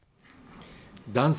男性